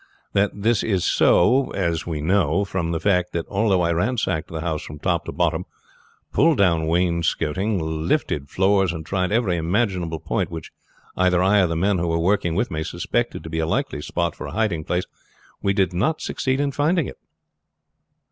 That this is so we know, from the fact that although I ransacked the house from top to bottom, pulled down wainscoting, lifted floors, and tried every imaginable point which either I or the men who were working with me suspected to be a likely spot for a hiding place, we did not succeed in finding it.